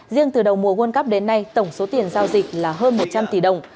riêng từ đầu mùa world cup đến nay tổng số tiền giao dịch là hơn một trăm linh tỷ đồng